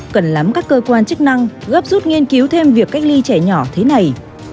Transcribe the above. cần lắm các cơ quan chức năng gấp rút nghiên cứu thêm việc cách ly trẻ nhỏ thế này